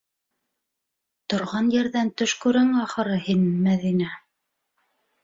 - Торған ерҙән төш күрәң, ахыры, һин, Мәҙинә!